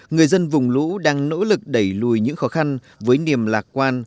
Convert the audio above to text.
người dân vùng lũ đang nỗ lực đẩy lùi những khó khăn với niềm lạc quan